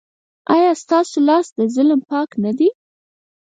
ایا ستاسو لاس له ظلم پاک نه دی؟